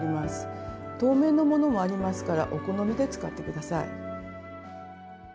透明の物もありますからお好みで使って下さい。